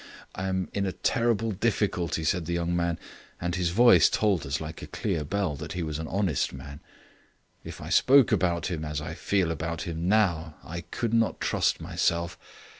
"I am in a terrible difficulty," said the young man, and his voice told us, like a clear bell, that he was an honest man. "If I spoke about him as I feel about him now, I could not trust myself.